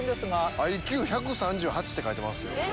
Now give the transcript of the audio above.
ＩＱ１３８って書いてますよ。